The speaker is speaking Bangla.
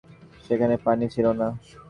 সেখানে পানি ছিল না।